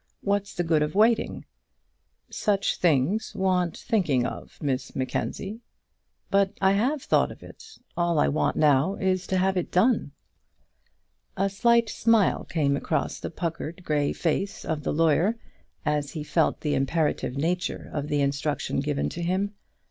What's the good of waiting?" "Such things want thinking of, Miss Mackenzie." "But I have thought of it. All I want now is to have it done." A slight smile came across the puckered grey face of the lawyer as he felt the imperative nature of the instruction given to him.